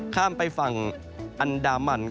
ข้ามไปฝั่งอันดามัน